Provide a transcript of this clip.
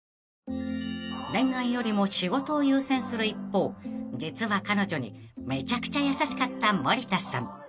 ［恋愛よりも仕事を優先する一方実は彼女にめちゃくちゃ優しかった森田さん］